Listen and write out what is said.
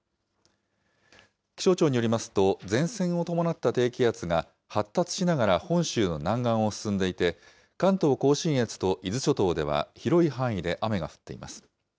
気象庁によりますと、前線を伴った低気圧が発達しながら本州の南岸を進んでいて、関東甲信越と伊豆諸島では広い範囲で雨が降っています。